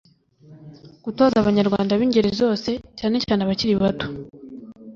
gutoza abanyarwanda b'ingeri zose, cyane cyane abakiri bato